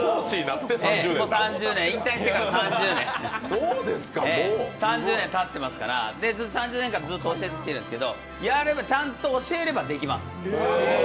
引退してから３０年たってますから、３０年間ずっと教えてきてるんですけど、ちゃんと教えればできます。